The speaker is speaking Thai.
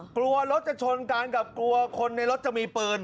กลัวรถจะชนกันกับกลัวคนในรถจะมีปืน